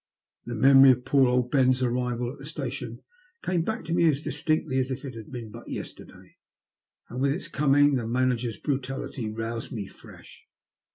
Then the memory of poor old Ben's arrival at the station came back to me as distinctly as if it had been but yesterday, and with its coming the mana ger's brutality roused me afresh.